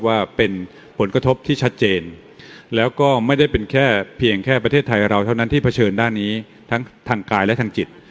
ว่าเป็นผลกระทบที่ชัดเจนแล้วก็ไม่ได้เป็นแค่เพียงแค่ประเทศไทยเราเท่านั้นที่เผชิญด้านนี้ทั้งทางกายและทางจิต